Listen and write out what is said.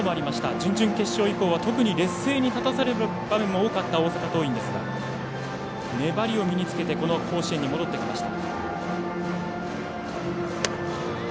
準々決勝以降は特に劣勢に立たされる場面も多かった大阪桐蔭ですが粘りを身につけて甲子園に戻ってきました。